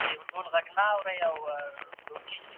څوک پر مړو میندو په سرو چیغو تاویږي